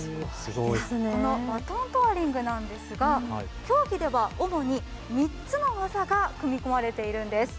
このバトントワリングなんですが競技では主に３つの技が組み込まれているんです。